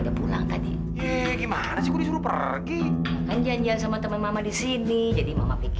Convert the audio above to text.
dibilang terima kasih dulu gitu baru marah marah